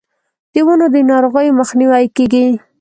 د ونو د ناروغیو مخنیوی کیږي.